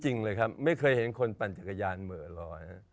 จริงเลยครับไม่เคยเห็นคนปั่นจักรยานเหม่อลอย